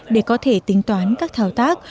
để có thể tính toán các thảo tác